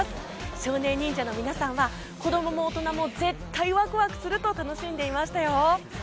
少年忍者の皆さんは子どもも大人も絶対ワクワクすると楽しんでいましたよ。